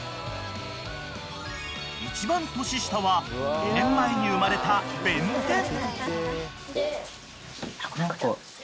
［一番年下は２年前に生まれたべんてん］